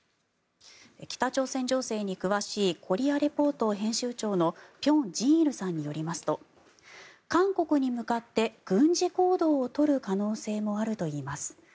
北朝鮮情勢に詳しい「コリア・レポート」編集長の辺真一さんによりますと韓国に向かって軍事行動を取る可能性もあるといいます。